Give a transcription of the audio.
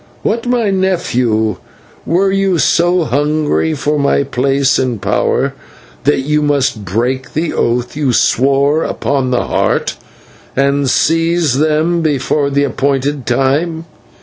What, my nephew, were you so hungry for my place and power, that you must break the oath you swore upon the Heart, and seize them before the appointed time?